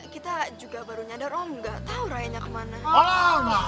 kita juga baru nyadar oh nggak tahu rayanya kemana